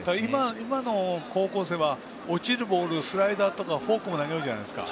今の高校生は落ちるボールスライダーとかフォークも投げるじゃないですか。